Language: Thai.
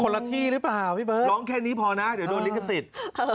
ร้องแค่นี้พอนะเดี๋ยวโดนลิขสิทธิ์